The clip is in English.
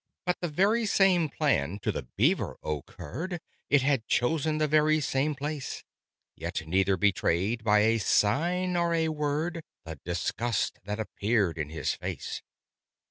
But the very same plan to the Beaver occurred: It had chosen the very same place: Yet neither betrayed, by a sign or a word, The disgust that appeared in his face.